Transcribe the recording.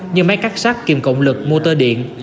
như máy cắt sắt kiềm cộng lực motor điện